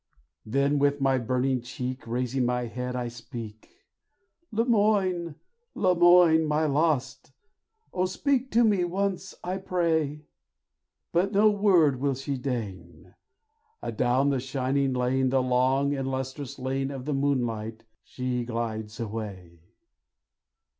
Then with my burning cheek, Raising my head, I speak, "Lemoine, Lemoine, my lost! Oh, speak to me once, I pray!" But no word will she deign, Adown the shining lane, The long and lustrous lane of the moonlight she glides away.